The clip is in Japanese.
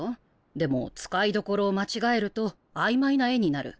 でも使いどころを間違えると曖昧な絵になる。